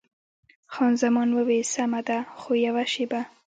خان زمان وویل: سمه ده، خو یوه شېبه.